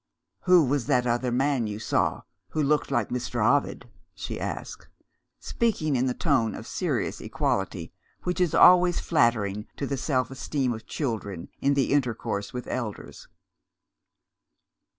"Who was that other man you saw, who looked like Mr. Ovid?" she asked; speaking in the tone of serious equality which is always flattering to the self esteem of children in intercourse with elders.